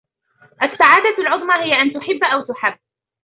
السعادة العظمى هي أن تُحِب أو تُحَب.